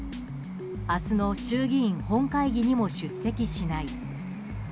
明日の衆議院本会議にも出席しない。